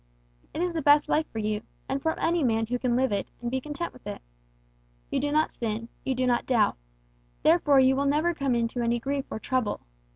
It is the best life for you, and for any man who can live it, and be content with it. You do not sin, you do not doubt; therefore you will never come into any grief or trouble.